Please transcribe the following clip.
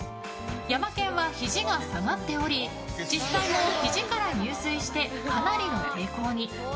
ヤマケンは、ひじが下がっており実際も、ひじから入水してかなりの抵抗に。